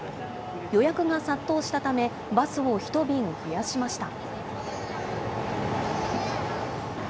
予約が殺到したため、バスを１便増やしました。